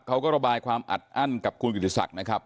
เขาก็ระบายความอัดอั้นกับคุณกิติศักดิ์นะครับ